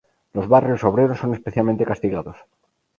Los barrios obreros son especialmente castigados.